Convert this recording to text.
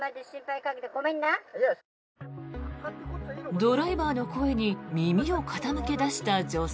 ドライバーの声に耳を傾け出した女性。